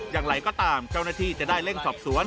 อย่างไรก็ตามเจ้าหน้าที่จะได้เร่งสอบสวน